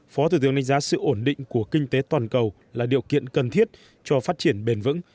phó thủ tướng đánh giá sự ổn định của kinh tế toàn cầu là điều kiện cần thiết cho phát triển bền vững